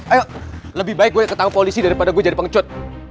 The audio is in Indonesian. ayo lebih baik gua ditangkap polisi daripada gua jadi pengecut